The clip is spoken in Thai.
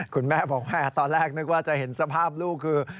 คุณแม่บอกแม่ตอนแรกนึกว่าจะเห็นสภาพลูกคือ